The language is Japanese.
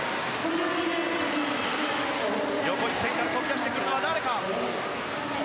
横一線から飛び出してくるのは誰か。